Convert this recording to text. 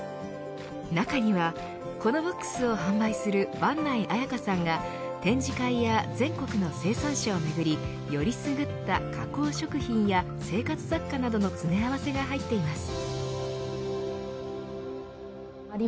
中には、このボックスを販売する坂内綾花さんが展示会や全国の生産者を巡り選りすぐった加工食品や生活雑貨などの詰め合わせが入っています。